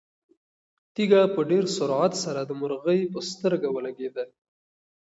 تیږه په ډېر سرعت سره د مرغۍ په سترګه ولګېده.